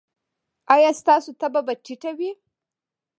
ایا ستاسو تبه به ټیټه وي؟